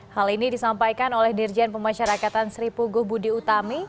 hal ini disampaikan oleh dirjen pemasyarakatan seripu gubudi utami